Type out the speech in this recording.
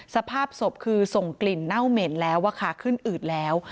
สภาพศพคือส่งกลิ่นเน่าเหม็นแล้วขึ้นอืดแล้ว